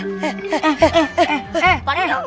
eh pake dong